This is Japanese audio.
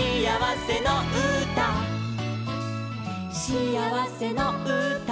「しあわせのうた」